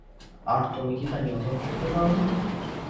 আর তুমি তা নিয়ন্ত্রণ করতে পারো না।